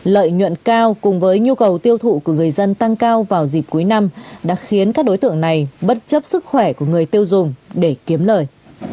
lợi nhuận cao cùng với nhu cầu tiêu thụ của người dân tăng cao vào dịp cuối năm đã khiến các đối tượng này bất chấp sức khỏe của người tiêu dùng để kiếm lời